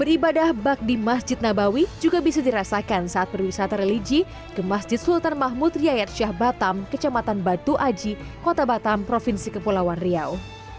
beribadah bak di masjid nabawi juga bisa dirasakan saat berwisata religi ke masjid sultan mahmud riyad syah batam kecamatan batu aji kota batam provinsi kepulauan riau